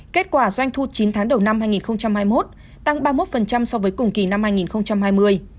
kết quả doanh thu chín tháng đầu năm hai nghìn hai mươi một tăng ba mươi một so với cùng kỳ năm hai nghìn hai mươi